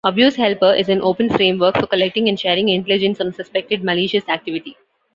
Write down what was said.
AbuseHelper is an open framework for collecting and sharing intelligence on suspected malicious activity.